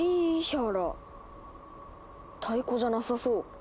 太鼓じゃなさそう。